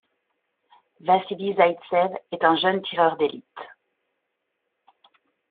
Vassili Zaïtsev est un jeune tireur d'élite.